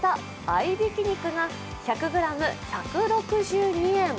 合いびき肉が１００ｇ１６２円。